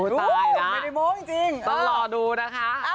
ในโมงจริงต้องรอดูนะคะ